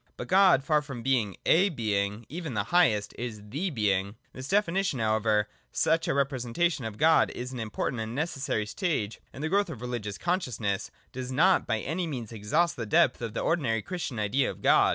But God, far from being a Being, even the highest, is the Being. This definition, however, though such a representation of God is an important and necessary stage in the growth of the religious conscious ness, does not by any means exhaust the depth of the ordinary Christian idea of God.